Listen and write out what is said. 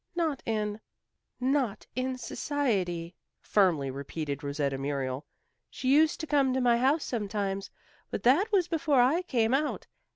"Not in " "Not in society," firmly repeated Rosetta Muriel. "She used to come to my house sometimes, but that was before I came out.